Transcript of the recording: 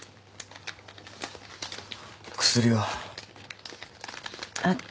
薬は？あった。